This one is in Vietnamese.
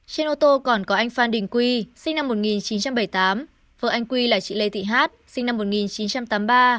trên ô tô còn có anh phan đình quy sinh năm một nghìn chín trăm bảy mươi tám vợ anh quy là chị lê thị hát sinh năm một nghìn chín trăm tám mươi ba